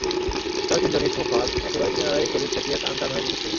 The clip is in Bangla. তাঁরা তিনজনই সোফার একেবারে কিনারায় শরীর ঠেকিয়ে টান টান হয়ে বসে ছিলেন।